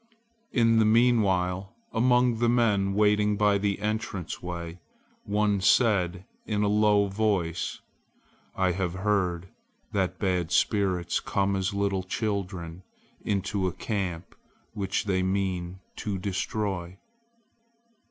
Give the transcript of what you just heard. In the meanwhile among the men waiting by the entrance way, one said in a low voice: "I have heard that bad spirits come as little children into a camp which they mean to destroy."